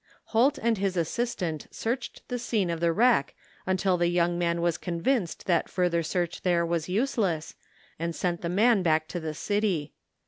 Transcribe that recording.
Holt and his assistant searched the scene of the 132 THE FINDING OF JASPER HOLT wreck until the young man was convinced that further search there was useless, and sent the man back to the city.